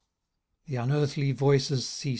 The unearthly voices ceast.